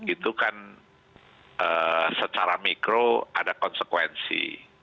itu kan secara mikro ada konsekuensi